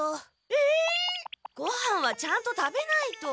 ごはんはちゃんと食べないと。